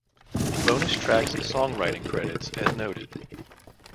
Bonus tracks songwriting credits as noted.